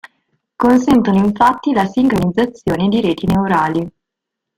Consentono infatti la sincronizzazione di reti neurali.